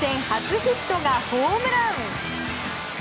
初ヒットがホームラン！